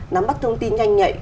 nắm bắt thông tin nhanh nhạy